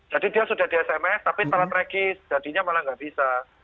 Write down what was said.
jadi dia sudah di sms tapi salah track it jadinya malah nggak bisa